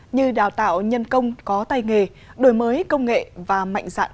như đào tạo nhân công có tay nghề đổi mới công nghệ và mạnh dạn